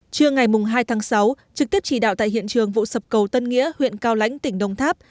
trưa ngày hai tháng sáu trực tiếp chỉ đạo tại hiện trường vụ sập cầu tân nghĩa huyện cao lãnh tỉnh đồng tháp